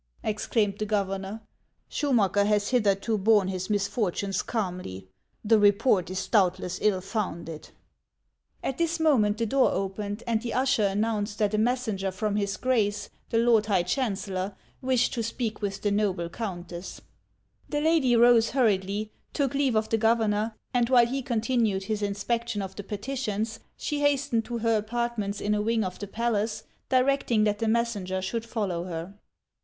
" exclaimed the gov ernor. " Schumacker has hitherto borne his misfortunes calmly. The report is doubtless ill founded." At this moment the door opened, and the usher an nounced that a messenger from his Grace the lord high chancellor wished to speak with the noble countess. HANS OF ICELAND. 81 The lady rose hurriedly, took leave of the governor, and while he continued his inspection of the petitions she hastened to her apartments in a wing of the palace, direct ing that the messenger should follow her.